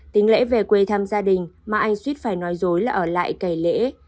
tính lễ về quê thăm gia đình mà anh suýt phải nói dối là ở lại kẻ lễ